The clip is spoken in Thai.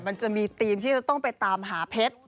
มันจะมีธีมที่จะต้องไปตามหาเพชร